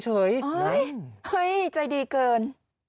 เฮ้ยใจดีเกิน